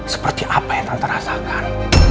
seperti apa yang tante rasakan